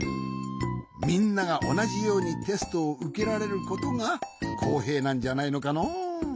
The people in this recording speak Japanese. みんながおなじようにテストをうけられることがこうへいなんじゃないのかの？